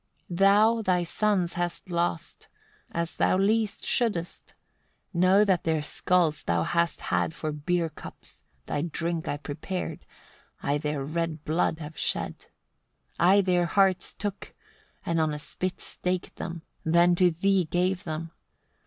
79. Thou thy sons hast lost, as thou least shouldest; know that their skulls thou hast had for beer cups; thy drink I prepared, I their red blood have shed. 80. I their hearts took, and on a spit staked them, then to thee gave them.